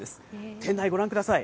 店内、ご覧ください。